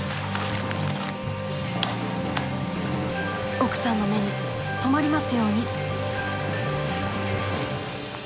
奥さんの目に留まりますように！